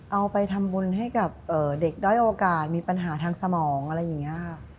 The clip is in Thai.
เอาไปทำบุญให้กับเด็กด้อยโอกาสมีปัญหาทางสมองอะไรอย่างนี้ค่ะ